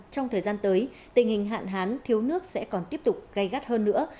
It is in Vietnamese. trong thời gian tới tình hình hạn hán thiếu nước sẽ còn tiếp tục gây gắt hơn nữa